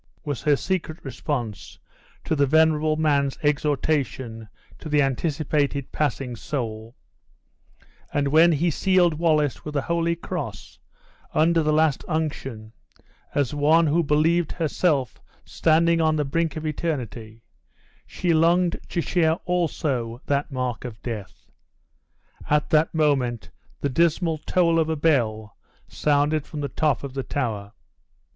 was her secret response to the venerable man's exhortation to the anticipated passing soul; and when he sealed Wallace with the holy cross, under the last unction, as one who believed herself standing on the brink of eternity, she longed to share also that mark of death. At that moment the dismal toll of a bell sounded from the top of the Tower.